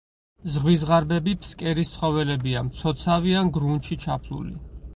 ზღვის ზღარბები ფსკერის ცხოველებია, მცოცავი ან გრუნტში ჩაფლული.